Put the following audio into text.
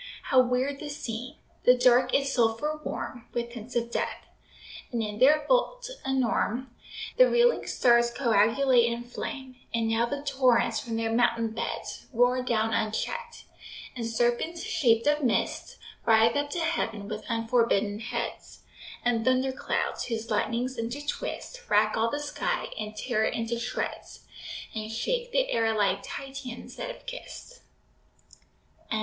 How weird the scene! The Dark is sulphur warm With hints of death; and in their vault enorme The reeling stars coagulate in flame. And now the torrents from their mountain beds Roar down uncheck'd; and serpents shaped of mist Writhe up to Heaven with unforbidden heads; And thunder clouds, whose lightnings intertwist, Rack all the sky, and tear it into shreds, And shake the air like Titians that have kiss'd!